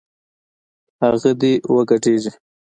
هغه دې وګډېږي